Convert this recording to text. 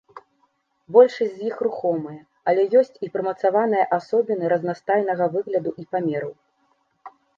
Большасць з іх рухомыя, але ёсць і прымацаваныя асобіны разнастайнага выгляду і памераў.